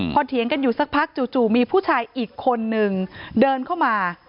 พอเถียงกันอยู่สักพักจู่มีผู้ชายอีกคนนึงเดินเข้ามา